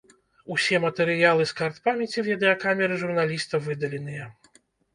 Усе матэрыялы з карт памяці відэакамеры журналіста выдаленыя.